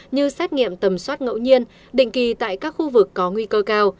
như xét nghiệm tầm soát ngẫu nhiên định kỳ tại các khu vực có nguy cơ cao